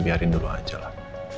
biarin dulu aja lah